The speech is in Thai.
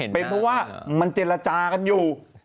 เป็นเพราะว่ามันเจรจากันอยู่